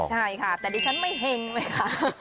ใช่ค่ะแต่ดิฉันไม่เห็งเลยค่ะ